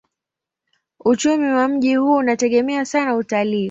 Uchumi wa mji huu unategemea sana utalii.